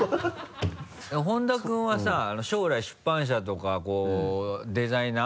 本多君はさ将来出版社とかデザイナー？